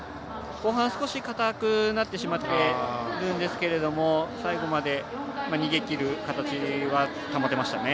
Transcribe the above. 後半、少し硬くなってしまってるんですけども最後まで逃げきる形は保てましたね。